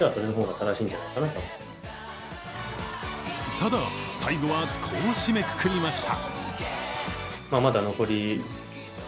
ただ、最後はこう締めくくりました。